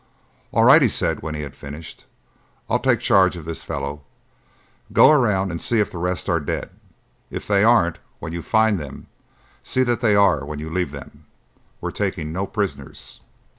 "All right," he said when he had finished. "I'll take charge of this fellow. Go around and see if the rest are dead. If they aren't when you find them, see that they are when you leave them. We're taking no prisoners."